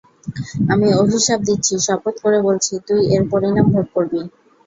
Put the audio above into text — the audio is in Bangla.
আমি অভিশাপ দিচ্ছি, শপথ করে বলছি, তুই এর পরিণাম ভোগ করবি।